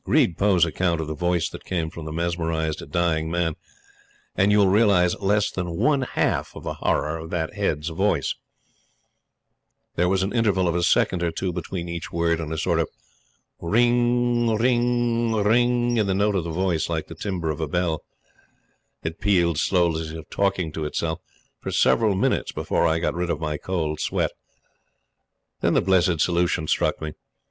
Read Poe's account of the voice that came from the mesmerized dying man, and you will realize less than one half of the horror of that head's voice. There was an interval of a second or two between each word, and a sort of "ring, ring, ring," in the note of the voice, like the timbre of a bell. It pealed slowly, as if talking to itself, for several minutes before I got rid of my cold sweat. Then the blessed solution struck me.